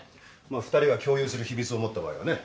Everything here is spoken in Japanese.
まあ２人が共有する秘密を持った場合はね。